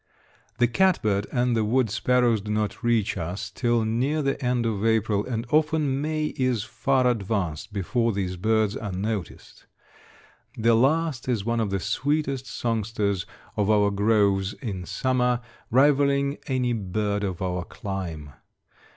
The catbird and the wood sparrows do not reach us till near the end of April, and often May is far advanced before these birds are noticed. The last is one of the sweetest songsters of our groves in summer, rivaling any bird of our clime.